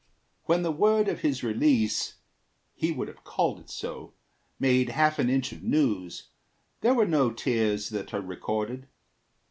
When the word Of his release (he would have called it so) Made half an inch of news, there were no tears That are recorded.